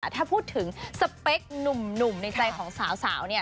ถ้าพูดถึงสเปคหนุ่มในใจของสาวเนี่ย